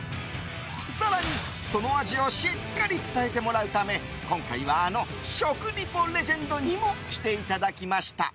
更に、その味をしっかり伝えてもらうため今回はあの食リポレジェンドにも来ていただきました。